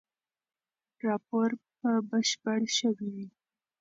راپور به بشپړ شوی وي.